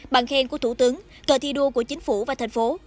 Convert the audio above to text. bằng khen của thủ tướng cờ thi đua của chính phủ và thành phố